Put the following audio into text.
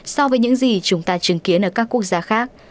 so với những gì chúng ta chứng kiến ở các quốc gia khác